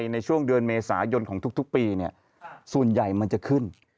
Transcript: ในช่วงเดือนเมษายนของทุกปีส่วนใหญ่มันจะขึ้น